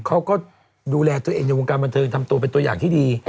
เขาก็ดูแลตัวเองในวงการบันเทิงทำตัวเป็นตัวอย่างที่ดี